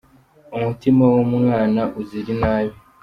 Umutima w'umwana uzira inabi.